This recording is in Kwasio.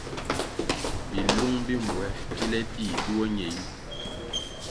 Bilung bi mbpuer kile dih duo ñe yu.